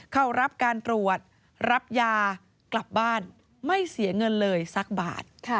เข้ารับการตรวจรับยากลับบ้านไม่เสียเงินเลยสักบาท